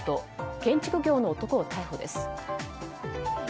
建築業の男を逮捕です。